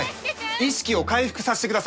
意識を回復さしてください！